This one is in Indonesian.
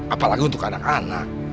apalagi untuk anak anak